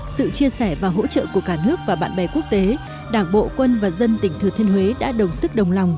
sự chia sẻ và hỗ trợ của cả nước và bạn bè quốc tế đảng bộ quân và dân tỉnh thừa thiên huế đã đồng sức đồng lòng